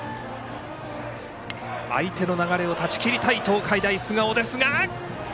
相手の流れを断ち切りたい東海大菅生ですが。